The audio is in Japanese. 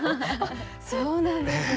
そうなんですね。